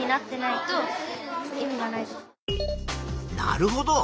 なるほど。